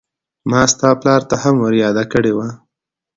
ما ستا پلار ته هم ور ياده کړې وه.